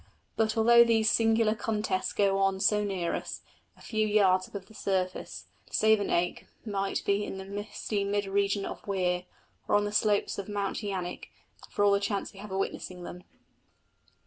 But, although these singular contests go on so near us, a few yards above the surface, Savernake might be in the misty mid region of Weir, or on the slopes of Mount Yanik, for all the chance we have of witnessing them.